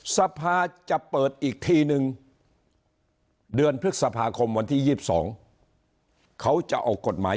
สภาจะเปิดอีกทีนึงเดือนพฤษภาคมวันที่๒๒เขาจะออกกฎหมาย